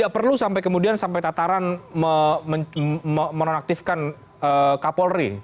tapi apakah itu sampai kemudian sampai tataran menonaktifkan kapolri